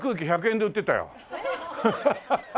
ハハハハ。